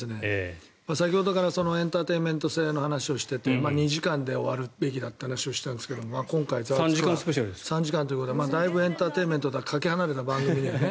先ほどからエンターテインメント性の話をしていて２時間で終わるべきだって話をしたんですが今回、３時間ということでだいぶエンターテインメントとはかけ離れた番組だよね。